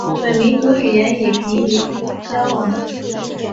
本民族语言已濒于消亡。